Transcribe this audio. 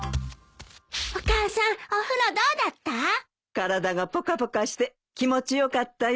体がぽかぽかして気持ち良かったよ。